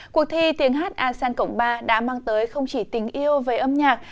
cuộc thi tiếng hát asean cộng ba đã mang tới không chỉ tình yêu về âm nhạc